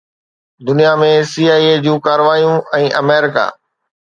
دنيا ۾ C I A جون ڪارروايون ۽ آمريڪا